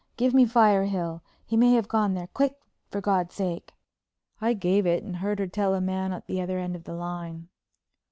Give me Firehill. He may have gone there. Quick, for God's sake!" I gave it and heard her tell a man at the other end of the line.